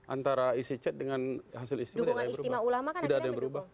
antara isi chat dengan hasil istimewa